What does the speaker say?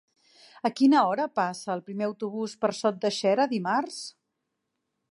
A quina hora passa el primer autobús per Sot de Xera dimarts?